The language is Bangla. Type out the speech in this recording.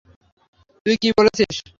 তুই কি বলেছিস?